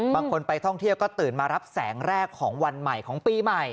บางคนไปท่องเที่ยวก็ตื่นมารับแสงแรกของวันใหม่ของปีใหม่